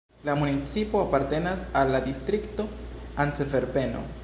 La municipo apartenas al la distrikto "Antverpeno".